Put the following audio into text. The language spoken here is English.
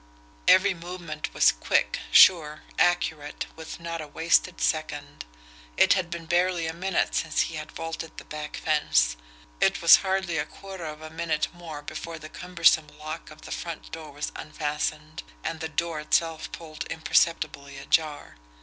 Every movement was quick, sure, accurate, with not a wasted second. It had been barely a minute since he had vaulted the back fence. It was hardly a quarter of a minute more before the cumbersome lock of the front door was unfastened, and the door itself pulled imperceptibly ajar.